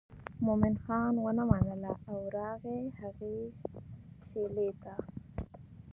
مومن خان ونه منله او راغی هغې شېلې ته.